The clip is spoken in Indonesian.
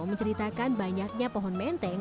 menceritakan banyaknya pohon menteng